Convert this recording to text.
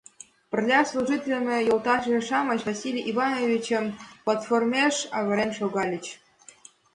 Пырля служитлыме йолташыже-шамыч Василий Ивановичым платформеш авырен шогальыч.